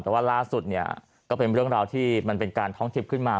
แต่ว่าล่าสุดเนี่ยก็เป็นเรื่องราวที่มันเป็นการท้องทิพย์ขึ้นมา